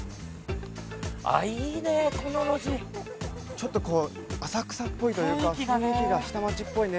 ちょっとこう浅草っぽいというか雰囲気が下町っぽいね。